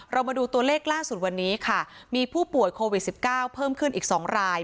มาดูตัวเลขล่าสุดวันนี้ค่ะมีผู้ป่วยโควิด๑๙เพิ่มขึ้นอีก๒ราย